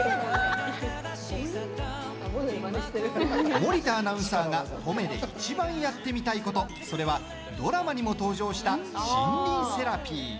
森田アナウンサーが登米でいちばんやってみたいことそれはドラマにも登場した森林セラピー。